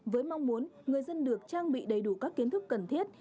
với mong muốn người dân được trang bị đầy đủ các kiến thức cần thiết